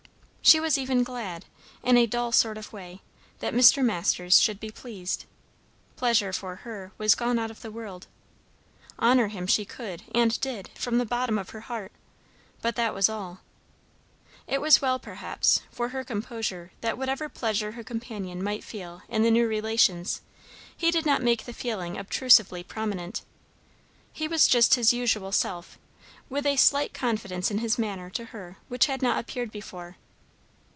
She was even glad, in a dull sort of way, that Mr. Masters should be pleased; pleasure for her was gone out of the world. Honour him she could, and did, from the bottom of her heart; but that was all. It was well, perhaps, for her composure that whatever pleasure her companion might feel in their new relations, he did not make the feeling obtrusively prominent. He was just his usual self, with a slight confidence in his manner to her which had not appeared before.